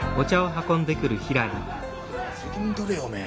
責任取れよおめえ。